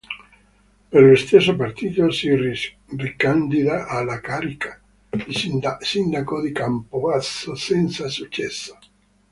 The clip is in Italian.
Per lo stesso partito si ricandida alla carica di sindaco di Campobasso, senza successo.